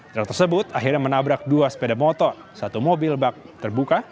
truk tersebut akhirnya menabrak dua sepeda motor satu mobil bak terbuka